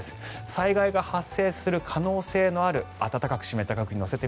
災害が発生する可能性のある暖かく湿った状況